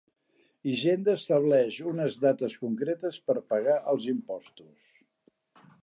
Hisenda estableix unes dates concretes per pagar els impostos.